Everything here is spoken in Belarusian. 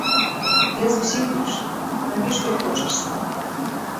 Я зусім прыйшла, рабі што хочаш са мной.